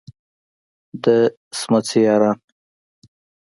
د څمڅې یاران.